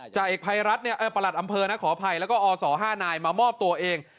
จากเอกภัยรัฐประหลัดอำเภอนะขออภัยแล้วก็อศ๕นายมามอบตัวเอง